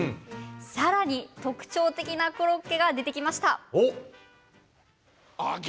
さらに特徴的なコロッケが出てきました。